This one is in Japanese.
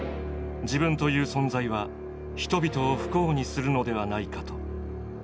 自分という存在は人々を不幸にするのではないかと。